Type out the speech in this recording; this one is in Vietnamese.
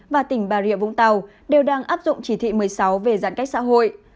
và tỉnh bà rịa vũng tàu đều đang áp dụng chỉ thị một mươi sáu về giãn cách xã hội